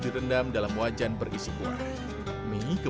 porsinya banyak kuahnya rasa bumbunya